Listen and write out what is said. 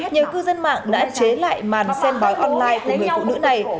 nhiều cư dân mạng đã chế lại màn xem bói online của người phụ nữ này